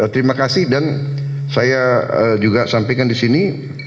terima kasih dan saya juga sampaikan di sini